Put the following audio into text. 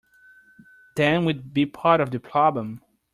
Then we’d be part of the problem.